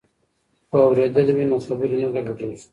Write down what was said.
که اورېدل وي نو خبرې نه ګډوډیږي.